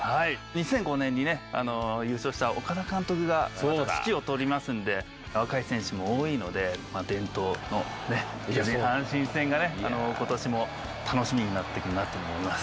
２００５年に優勝した岡田監督がまた指揮を執りますんで若い選手も多いので伝統の巨人阪神戦が今年も楽しみになってくるなと思います。